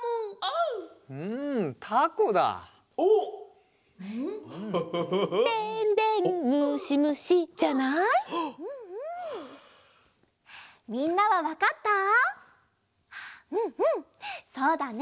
うんうんそうだね。